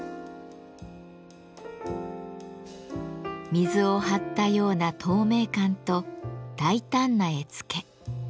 水を張ったような透明感と大胆な絵付け。